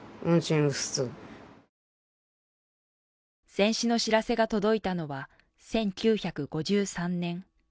戦死の知らせが届いたのは１９５３年。